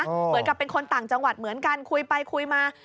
เหมือนกับเป็นคนต่างจังหวัดเหมือนกันคุยไปคุยมา